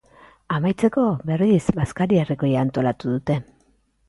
Amaitzeko, berriz, bazkari herrikoia antolatu dute.